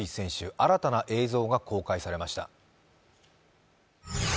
新たな映像が公開されました。